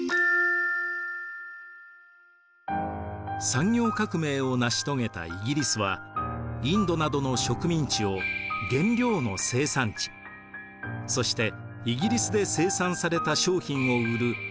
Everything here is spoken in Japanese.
産業革命を成し遂げたイギリスはインドなどの植民地を原料の生産地そしてイギリスで生産された商品を売る市場としていきました。